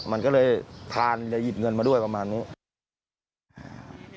มันก็เลยขามันไปหยิบเงินโบร์ดมาด้วยประมาณนู้น